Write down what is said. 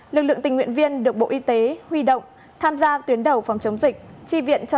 lực lượng tình nguyện viên được bộ y tế huy động tham gia tuyến đầu phòng chống dịch chi viện cho